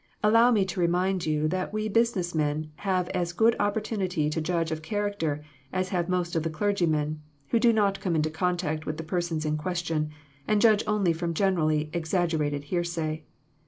Allow me to remind you that we busi ness men have as good opportunity to judge of character as have most of the clergymen, who do not come in contact with the persons in question, and judge only from generally exaggerated hear say.